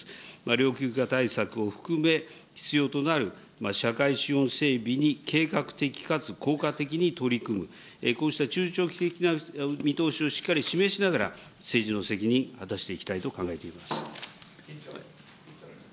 老朽化対策を含め、必要となる社会資本整備に計画的かつ効果的に取り組む、こうした中長期的な見通しをしっかりと示しながら、政治の責任果たしていきたいと考えています。